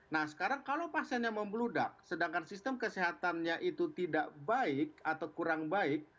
nah sekarang kalau pasiennya membludak sedangkan sistem kesehatannya itu tidak baik atau kurang baik